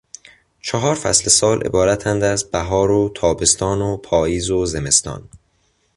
چهار فصل سال عبارتند از: بهار و تابستان و پاییز و زمستان.